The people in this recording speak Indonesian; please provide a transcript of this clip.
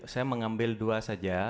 saya mengambil dua saja